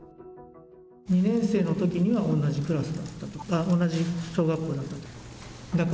２年生のときには同じクラスだったとか、同じ小学校だった。